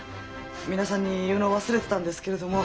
皆さんに言うの忘れてたんですけれども。